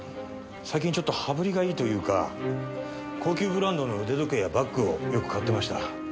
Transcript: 最近ちょっと羽振りがいいというか高級ブランドの腕時計やバッグをよく買ってました。